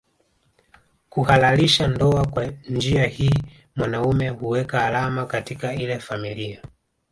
Kuhalalisha ndoa Kwa njia hii mwanaume huweka alama katika ile familia